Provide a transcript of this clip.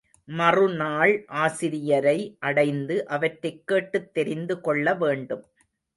மறுநாள் ஆசிரியரை அடைந்து அவற்றைக் கேட்டுத் தெரிந்து கொள்ள வேண்டும்.